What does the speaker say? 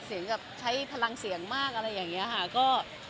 เสียงแบบใช้พลังเสียงมากอะไรอย่างนี้ค่ะ